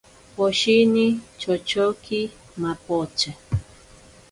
Poshini chochoki mapocha.